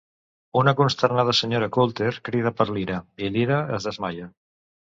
Una consternada senyora Coulter crida per Lyra, i Lyra es desmaia.